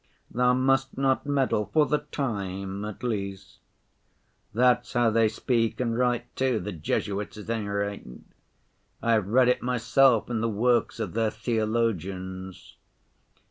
Thou must not meddle for the time, at least.' That's how they speak and write too—the Jesuits, at any rate. I have read it myself in the works of their theologians.